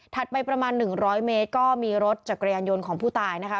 ไปประมาณ๑๐๐เมตรก็มีรถจักรยานยนต์ของผู้ตายนะคะ